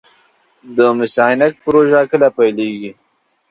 د مس عینک پروژه کله پیلیږي؟